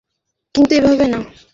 কিন্তু এভাবে না।